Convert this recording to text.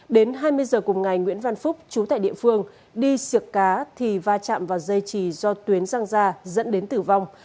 đến hai mươi giờ cùng ngày nguyễn văn phúc chú tại địa phương đi siệc cá thì va chạm vào dây trì do tuyến răng ra dẫn đến tử vong